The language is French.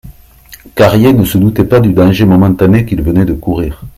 Carrier ne se doutait pas du danger momentané qu'il venait de courir.